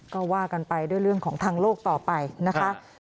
ก็ว่ากันไปด้วยเรื่องของทางโลกต่อไปนะคะ